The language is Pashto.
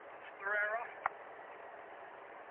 د لاس لیکني ارزښت باید په ښوونځیو کي تل وساتل سي.